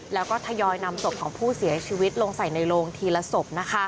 แล้วก็ทยอยนำศพของผู้เสียชีวิตลงใส่ในโรงทีละศพ